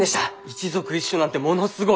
一属一種なんてものすごい！